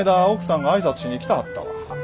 奥さんが挨拶しに来たはったわ。